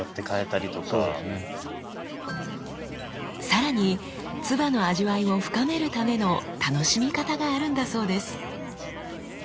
さらに鐔の味わいを深めるための楽しみ方があるんだそうです。